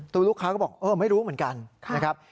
ตัวลูกค้าก็บอกเออไม่รู้เหมือนกันนะครับ